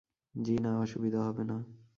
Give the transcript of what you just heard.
জ্বি-না, অসুবিধা হবে না।